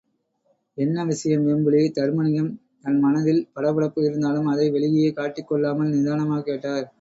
என்ன விஷயம் வேம்புலி? தருமலிங்கம் தன் மனதில் படபடப்பு இருந்தாலும், அதை வெளியே காட்டிக் கொள்ளாமல் நிதானமாகக் கேட்டார்.